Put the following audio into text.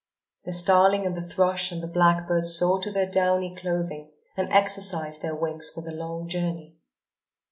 The starling and the thrush and the blackbird saw to their downy clothing and exercised their wings for the long journey.